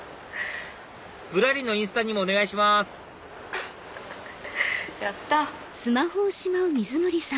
『ぶらり』のインスタにもお願いしますやった！